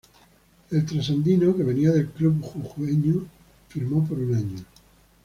El trasandino, que venía del club jujeño, firmó por un año.